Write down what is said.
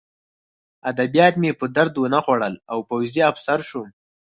ادبیات مې په درد ونه خوړل او پوځي افسر شوم